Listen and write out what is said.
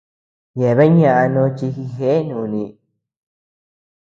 Yeabean yáʼa nochi jijéa nùni.